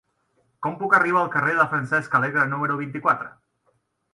Com puc arribar al carrer de Francesc Alegre número vint-i-quatre?